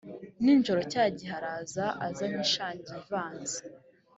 nijoro cya gihe araza azanye ishangi ivanze